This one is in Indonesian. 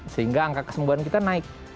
sehingga angka kesembuhan kita naik